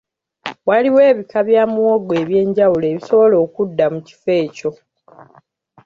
Waliwo ebika bya muwogo eby'enjawulo ebisobola okudda mu kifo ekyo